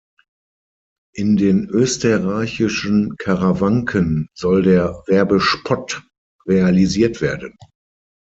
In den österreichischen Karawanken soll der Werbespot realisiert werden.